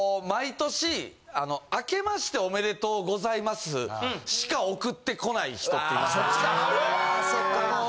毎年、あけましておめでとうございますしか送ってこない人っていませんか。